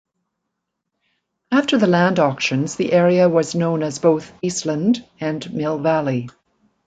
After the land auctions the area was known as both "Eastland" and "Mill Valley".